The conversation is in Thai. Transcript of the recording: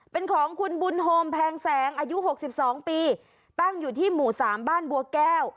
เป็นของคุณบุญโฮมแพงแสงอายุ๖๒ปีตั้งอยู่ที่หมู่สามบ้านบัวแก้ว